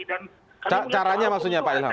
dan caranya maksudnya pak ilham